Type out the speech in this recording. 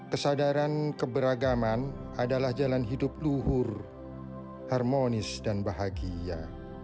kesadaran keberagaman adalah jalan hidup luhur harmonis dan bahagia